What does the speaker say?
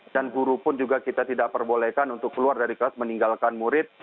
dan guru pun juga kita tidak perbolehkan untuk keluar dari kelas meninggalkan murid